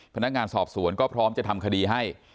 พนักงานสอบสวนก็พร้อมจะทำคดีให้